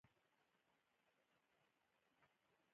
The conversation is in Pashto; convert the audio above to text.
افغانستان کې واوره د خلکو د ژوند کیفیت تاثیر کوي.